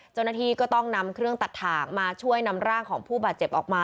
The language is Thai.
เจ้าหน้าที่ก็ต้องนำเครื่องตัดถ่างมาช่วยนำร่างของผู้บาดเจ็บออกมา